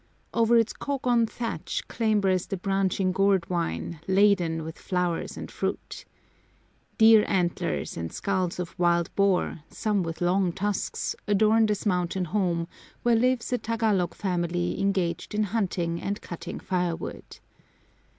Over its kogon thatch clambers the branching gourd vine, laden with flowers and fruit. Deer antlers and skulls of wild boar, some with long tusks, adorn this mountain home, where lives a Tagalog family engaged in hunting and cutting firewood.